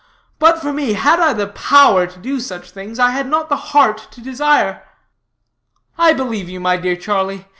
But for me, had I the power to do such things, I have not the heart to desire." "I believe you, my dear Charlie.